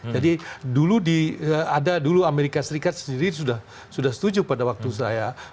jadi dulu di ada dulu amerika serikat sendiri sudah setuju pada waktu saya